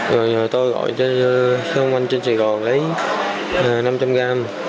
rồi tôi gọi cho xe công an trên sài gòn lấy năm trăm linh gram